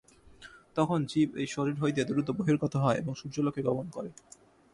তখন জীব এই শরীর হইতে দ্রুত বহির্গত হয়, এবং সূর্যলোকে গমন করে।